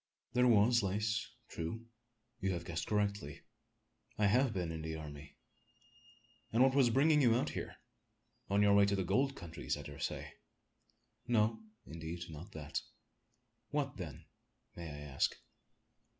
"There was lace true you have guessed correctly. I have been in the army." "And what was bringing you out here? On your way to the gold countries, I dare say?" "No, indeed, not that." "What, then, may I ask?"